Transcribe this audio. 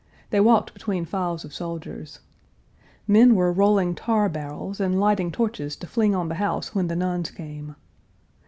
They walked between files of soldiers. Men were rolling tar barrels and lighting torches to fling on the house when the nuns came.